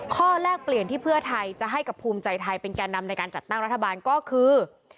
แลกเปลี่ยนที่เพื่อไทยจะให้กับภูมิใจไทยเป็นแก่นำในการจัดตั้งรัฐบาลก็คือ